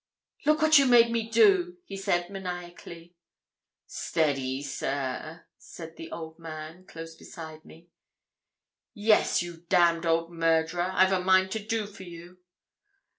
'Look what you made me do!' he said, maniacally. 'Steady, sir!' said the old man, close beside me. 'Yes, you damned old murderer! I've a mind to do for you.'